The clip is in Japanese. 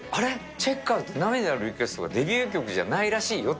チェッカーズ、涙のリクエストがデビュー曲じゃないらしいよって。